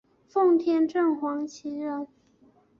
奉天正黄旗人。